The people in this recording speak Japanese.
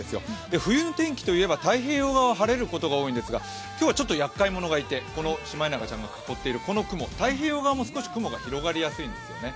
冬の天気といえば太平洋側は晴れるところが多いんですが今日はちょっとやっかい者がいて、この雲、太平洋側も少し雲が広がりやすいんですよね。